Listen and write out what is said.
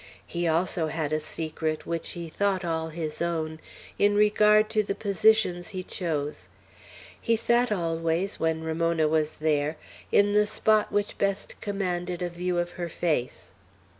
He also had a secret, which he thought all his own, in regard to the positions he chose. He sat always, when Ramona was there, in the spot which best commanded a view of her face.